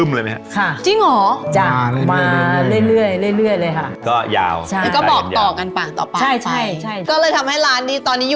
มีรายการทีวี